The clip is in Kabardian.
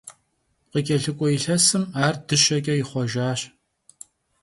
Khıç'elhık'ue yilhesım ar dışeç'e yixhuejjaş.